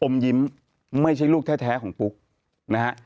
ยิ้มไม่ใช่ลูกแท้ของปุ๊กนะฮะ